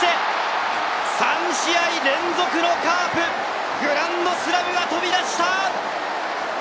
３試合連続のカープ、グランドスラムが飛び出した！